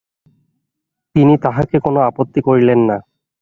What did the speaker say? তিনি তাহাতে কোনো আপত্তি করিলেন না।